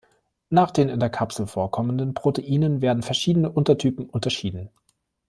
Nach den in der Kapsel vorkommenden Proteinen werden verschiedene Untertypen unterschieden.